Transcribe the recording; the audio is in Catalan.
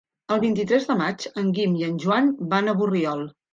El vint-i-tres de maig en Guim i en Joan van a Borriol.